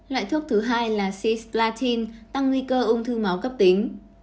loại thuốc thứ hai là cpllatin tăng nguy cơ ung thư máu cấp tính